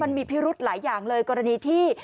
พิรุธหลายอย่างเลยกรณีที่